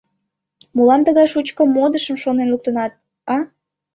Молан тыгай шучко модышым шонен луктынат, а?